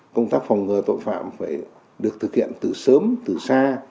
công tác phòng ngừa tội phạm phải được thực hiện từ sớm từ xa